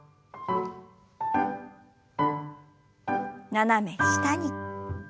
斜め下に。